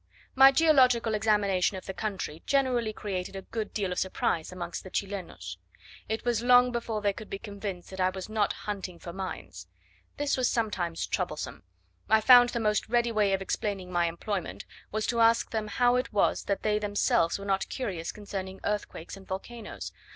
My geological examination of the country generally created a good deal of surprise amongst the Chilenos: it was long before they could be convinced that I was not hunting for mines. This was sometimes troublesome: I found the most ready way of explaining my employment, was to ask them how it was that they themselves were not curious concerning earthquakes and volcanos?